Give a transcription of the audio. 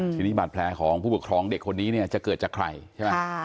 ทีนี้บาดแผลของผู้ปกครองเด็กคนนี้เนี่ยจะเกิดจากใครใช่ไหม